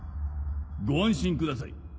ご安心ください。